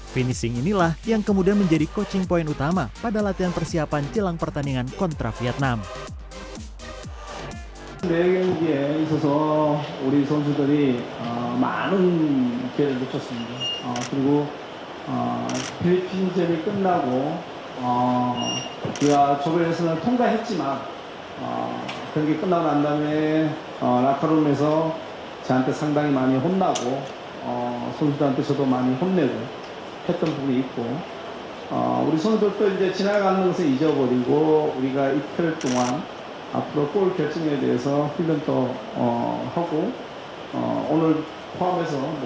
finishing inilah yang kemudian menjadi coaching point utama pada latihan persiapan jelang pertandingan kontra vietnam